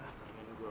nah pengen gue